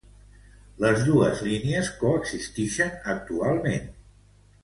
Les dos línies coexistixen actualment.